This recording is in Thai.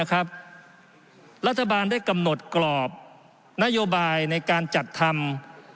รัฐบาลได้กำหนดกรอบนโยบายในการจัดทำ